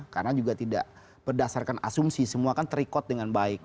karena juga tidak berdasarkan asumsi semua kan terikot dengan baik